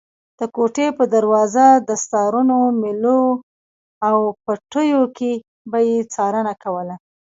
د کوټې په دروازه، دستارونو، مېلو او پټیو کې به یې څارنه کوله.